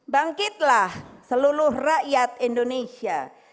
bangkitlah seluruh rakyat indonesia